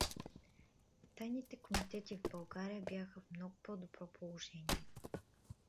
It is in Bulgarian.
Тайните комитети в България бяха в много по-добро положение.